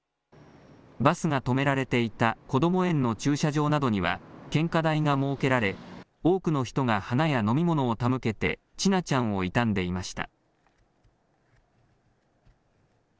バスが止められていたこども園の駐車場などには、献花台が設けられ、多くの人が花や飲み物を手向けて、千奈ちゃんを悼んでいました。